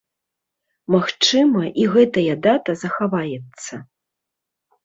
Магчыма, і гэтая дата захаваецца.